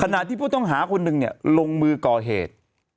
ขณะที่ผู้ต้องหาคนหนึ่งเนี่ยลงมือก่อเหตุ